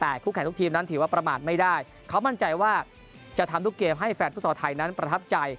แต่คู่แข่งทุกทีมนั้นถือว่าประมาทไม่ได้เขามั่นใจว่าจะทำทุกเกมให้แฟนฟุตซอลไทยนั้นประทับใจ